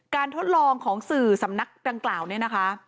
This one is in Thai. ทดลองของสื่อสำนักดังกล่าวเนี่ยนะคะ